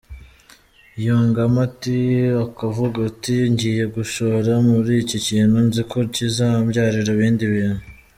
Yungamo ati “Ukavuga uti ngiye gushora muri iki kintu nziko cyizambyarira ibindi bintu.